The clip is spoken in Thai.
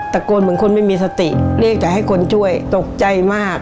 ตะโกนเหมือนคนไม่มีสติเรียกแต่ให้คนช่วยตกใจมาก